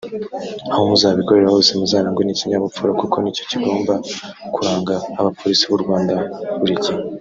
Aho muzakorera hose muzarangwe n’ikinyabupfura kuko nicyo kigomba kuranga abapolisi b’u Rwanda buri gihe